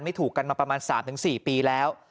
ถูกกันมาประมาณ๓๔ปีแล้ว